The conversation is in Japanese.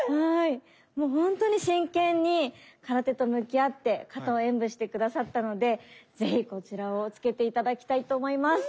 もう本当に真剣に空手と向き合って形を演舞して下さったので是非こちらをつけて頂きたいと思います。